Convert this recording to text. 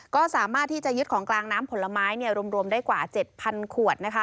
ก็สามารถที่จะยึดของกลางน้ำผลไม้รวมได้กว่า๗๐๐ขวดนะคะ